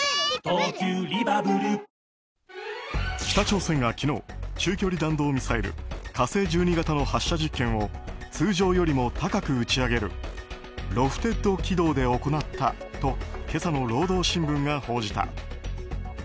北朝鮮が昨日中距離弾道ミサイル「火星１２」型の発射実験を通常よりも高く打ち上げるロフテッド軌道で行ったと今朝の労働新聞が報じた。